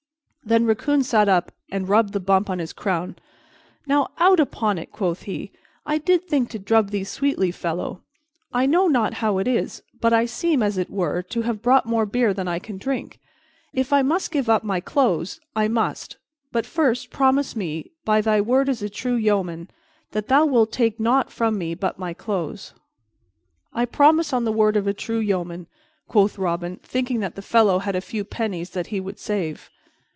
Then Riccon sat up and rubbed the bump on his crown. "Now, out upon it!" quoth he. "I did think to drub thee sweetly, fellow. I know not how it is, but I seem, as it were, to have bought more beer than I can drink. If I must give up my clothes, I must, but first promise me, by thy word as a true yeoman, that thou wilt take nought from me but my clothes." "I promise on the word of a true yeoman," quoth Robin, thinking that the fellow had a few pennies that he would save.